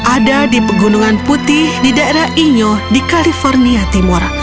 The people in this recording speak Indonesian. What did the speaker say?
ada di pegunungan putih di daerah inyo di kampung